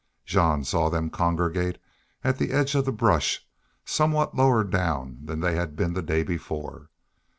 Jean saw them congregate at the edge of the brush, somewhat lower down than they had been the day before.